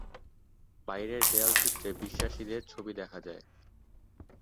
বাইরের দেয়ালচিত্রে বিশ্বাসীদের ছবি দেখা যায়।